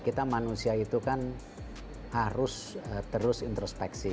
kita manusia itu kan harus terus introspeksi